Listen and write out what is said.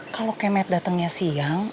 kalau kemet datangnya siang